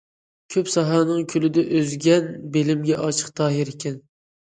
كۆپ ساھەنىڭ كۆلىدە ئۈزگەن، بىلىمگە ئاشىق تاھىر ئىكەن.